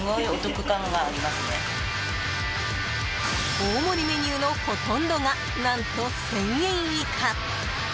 大盛りメニューのほとんどが何と１０００円以下。